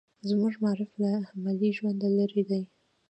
زموږ معارف له عملي ژونده لرې دی.